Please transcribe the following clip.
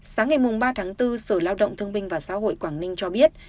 sáng ngày ba tháng bốn sở lao động thương binh và xã hội quảng ninh cho biết